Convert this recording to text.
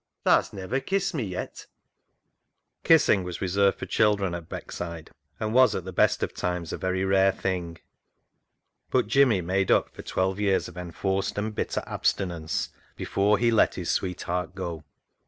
" Tha's never kissed me yet." 6 §2 CLOG SHOP CHRONICLES Kissing was reserved for children at Beck side, and was, at the best of times, a very rare thing, but Jimmy made up for twelve years of enforced and bitter abstinence before he let his sweetheart go.